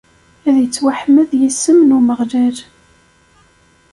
Ad ittwaḥmed yisem n Umeɣlal.